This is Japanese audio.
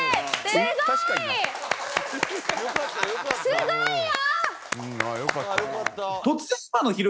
すごいよ！